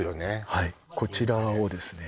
はいこちらをですね